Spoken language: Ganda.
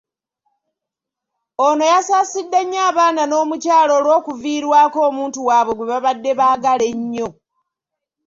Ono yasaasidde nnyo abaana n'omukyala olw'okuviirwako omuntu waabwe gwe babadde baagala ennyo.